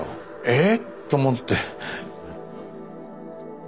えっ⁉と思って。